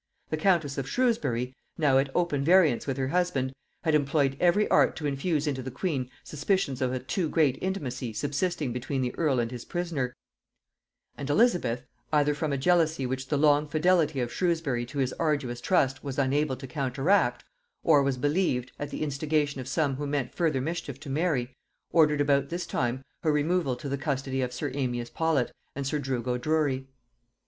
The countess of Shrewsbury, now at open variance with her husband, had employed every art to infuse into the queen suspicions of a too great intimacy subsisting between the earl and his prisoner; and Elizabeth, either from a jealousy which the long fidelity of Shrewsbury to his arduous trust was unable to counteract, or, as was believed, at the instigation of some who meant further mischief to Mary, ordered about this time her removal to the custody of sir Amias Paulet and sir Drugo Drury.